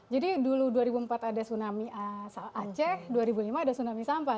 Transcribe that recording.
jadi dulu dua ribu empat ada tsunami aceh dua ribu lima ada tsunami sampah